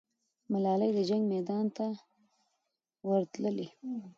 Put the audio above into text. ملالۍ د جنګ میدان ته ورتللې.